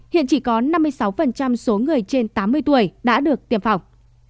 hiện chỉ có năm mươi sáu số người trên tám mươi tuổi đã được tiêm phòng